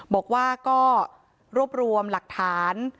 บอกว่าก็รวบรวมหลักฐาน